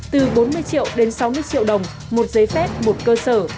từ bốn mươi triệu đến sáu mươi triệu đồng một giấy phép một cơ sở